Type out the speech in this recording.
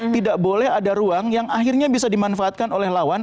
tidak boleh ada ruang yang akhirnya bisa dimanfaatkan oleh lawan